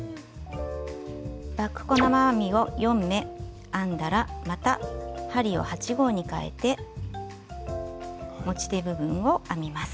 バック細編みを４目編んだらまた針を８／０号にかえて持ち手部分を編みます。